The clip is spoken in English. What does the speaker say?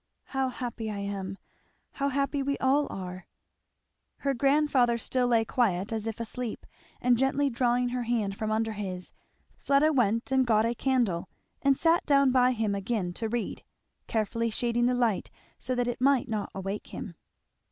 "How happy I am! How happy we all are!" Her grandfather still lay quiet as if asleep, and gently drawing her hand from under his, Fleda went and got a candle and sat down by him again to read, carefully shading the light so that it might not awake him.